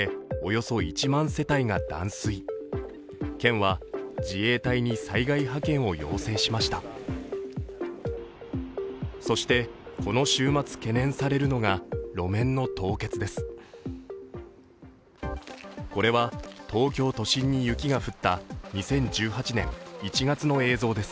そして、この週末懸念されるのが路面の凍結です。